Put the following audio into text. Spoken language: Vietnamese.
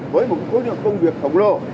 với một khối trường công việc khổng lồ